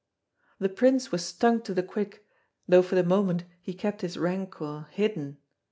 The prince was stung to the quick, though for the moment he kept his rancour hidden.